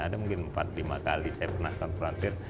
ada mungkin empat lima kali saya pernah konfrontir